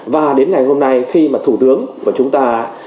và đến ngày hôm nay khi mà thủ tướng và chúng ta